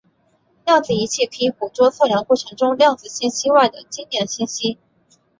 量子仪器可以捕捉测量过程中量子信息外的经典信息。